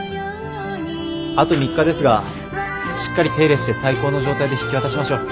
あと３日ですがしっかり手入れして最高の状態で引き渡しましょう。